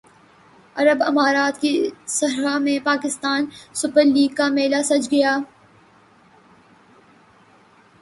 عرب امارات کے صحرا میں پاکستان سپر لیگ کا میلہ سج گیا